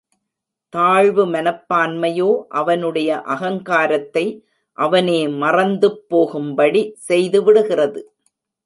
தாழ்வு மனப்பான்மையோ அவனுடைய அகங்காரத்தை அவனே மறந்துப்போகும்படி செய்துவிடுகிறது.